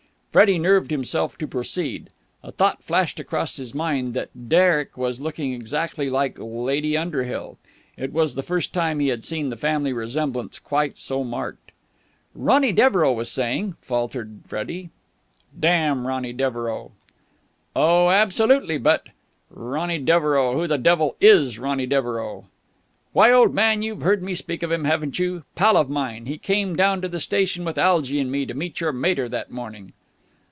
Freddie nerved himself to proceed. A thought flashed across his mind that Derek was looking exactly like Lady Underhill. It was the first time he had seen the family resemblance quite so marked. "Ronny Devereux was saying...." faltered Freddie. "Damn Ronny Devereux!" "Oh, absolutely! But...." "Ronny Devereux! Who the devil is Ronny Devereux?" "Why, old man, you've heard me speak of him, haven't you? Pal of mine. He came down to the station with Algy and me to meet your mater that morning."